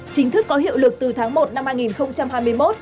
chính thức có hiệu lực từ tháng một năm hai nghìn hai mươi một